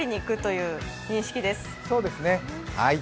そうですね、はい。